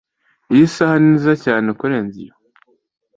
Iyi saha ni nziza cyane kurenza iyo